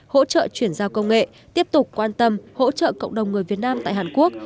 hỗ trợ chuyển giao công nghệ tiếp tục quan tâm hỗ trợ cộng đồng người việt nam tại hàn quốc